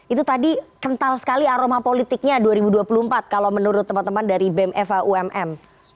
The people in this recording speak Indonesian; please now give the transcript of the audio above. itu tadi kental sekali aroma politiknya dua ribu dua puluh empat kalau menurut teman teman dari bem faumm